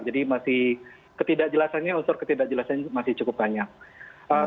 jadi masih ketidakjelasannya unsur ketidakjelasannya masih cukup banyak